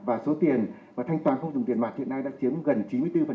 và số tiền và thanh toán không dùng tiền mặt hiện đang